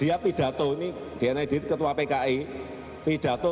dia pidato ini dnad ketua pki pidato tahun seribu sembilan ratus lima puluh lima pidato